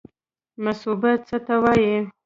مصوبه څه ته وایي؟